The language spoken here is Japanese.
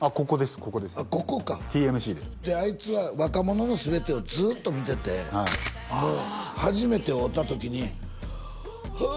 ここですＴＭＣでここかであいつは「若者のすべて」をずっと見ててもう初めて会うた時にはあ！